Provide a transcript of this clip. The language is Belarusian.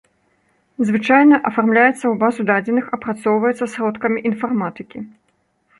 Звычайна афармляецца ў базу дадзеных, апрацоўваецца сродкамі інфарматыкі.